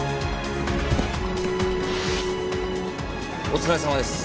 お疲れさまです。